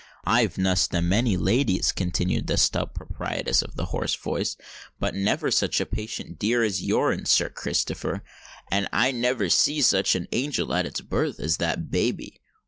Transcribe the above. "I've nussed a many ladies," continued the stout proprietress of the hoarse voice, "but never such a patient dear as your'n, Sir Christopher: and I never see such a angel at its birth as that babby.